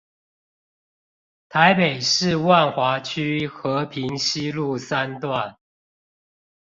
臺北市萬華區和平西路三段